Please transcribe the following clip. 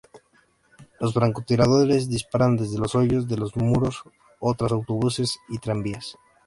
Los francotiradores disparaban desde los hoyos de los muros o tras autobuses y tranvías.